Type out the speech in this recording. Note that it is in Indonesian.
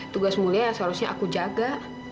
tugas mulia yang seharusnya aku jaga